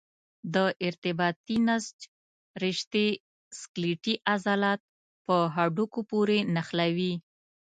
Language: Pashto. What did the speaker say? د ارتباطي نسج رشتې سکلیټي عضلات په هډوکو پورې نښلوي.